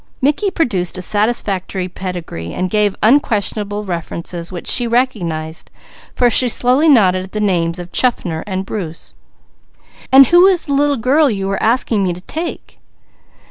Mickey produced a satisfactory pedigree, and gave unquestionable references which she recognized, for she slowly nodded at the names of Chaffner and Bruce. "And who is the little girl you are asking me to take?"